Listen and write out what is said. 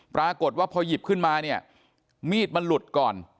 ปรากฏว่าพอหยิบขึ้นมาเนี่ยมีดมันหลุดก่อน